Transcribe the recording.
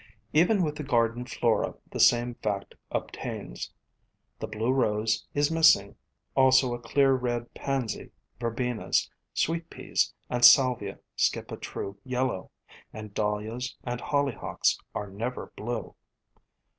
Even with the garden flora the same fact obtains. The blue Rose is missing, also a clear red Pansy. Verbenas, Sweet Peas, and Salvia skip a true yellow, and Dahlias and Hollyhocks are never blue.